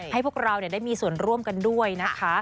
พวกเราได้มีส่วนร่วมกันด้วยนะคะ